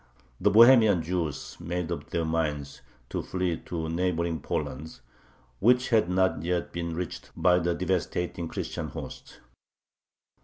The Bohemian Jews made up their minds to flee to neighboring Poland, which had not yet been reached by the devastating Christian hosts.